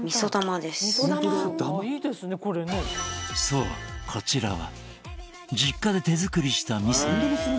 そう、こちらは実家で手作りしたみそ。